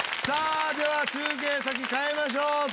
さあでは中継先変えましょう。